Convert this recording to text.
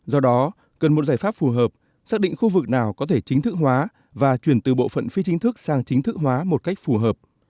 do đó cần một giải pháp phù hợp xác định khu vực nào có thể chính thức hóa và chuyển từ bộ phận phi chính thức sang chính thức hóa một cách phù hợp